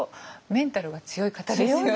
メンタルは強いですね。